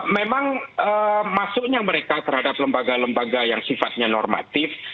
memang masuknya mereka terhadap lembaga lembaga yang sifatnya normatif